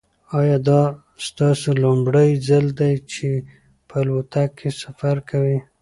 ایا دا ستاسو لومړی ځل دی چې په الوتکه کې سفر کوئ؟